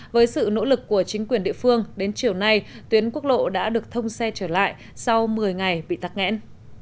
với sự nỗ lực của chính quyền địa phương đến chiều nay tuyến quốc lộ đã được thông xe trở lại sau một mươi ngày bị tắc nghẽn